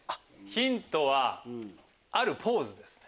ヒントはあるポーズですね。